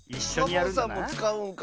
サボさんもつかうんか。